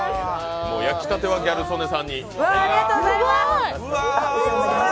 焼きたてはギャル曽根さんに。